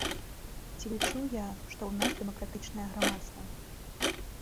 Ці лічу я, што ў нас дэмакратычнае грамадства?